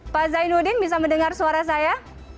pak zainuddin bisa mendengar suara saya